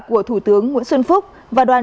của thủ tướng nguyễn xuân phúc và đoàn